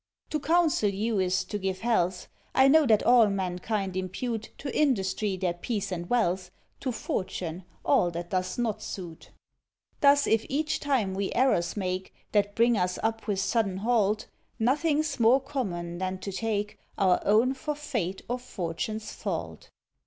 "To counsel you is to give health: I know that all mankind impute To Industry their peace and wealth, To Fortune all that does not suit." Thus, if each time we errors make, That bring us up with sudden halt, Nothing's more common than to take Our own for Fate or Fortune's fault.